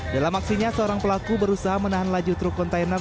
dalam aksinya seorang pelaku berusaha menahan laju truk kontainer